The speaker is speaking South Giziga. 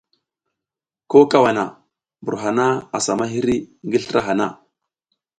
Ko kawana mbur hana asa ma hiri ngi slra hana.